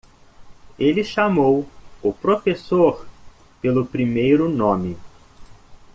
Ele chamou o professor pelo primeiro nome.